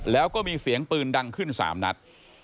แล้วก็มีเสียงปืนดังขึ้น๓นัด